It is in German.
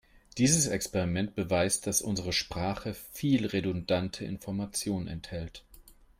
Dieses Experiment beweist, dass unsere Sprache viel redundante Information enthält.